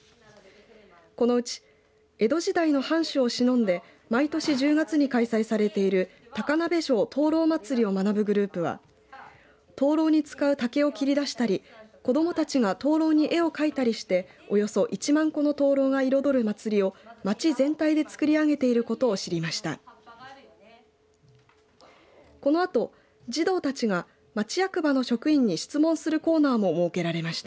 このうち江戸時代の藩主をしのんで毎年１０月に開催されている高鍋城灯籠まつりを学ぶグループは灯籠に使う竹を切り出したり子どもたちが灯籠に絵を描いたりしておよそ１万個の灯籠が彩る祭りを町全体でつくり上げていることを知りました。